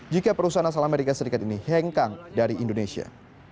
jika perusahaan asal amerika serikat ini hengkang dari indonesia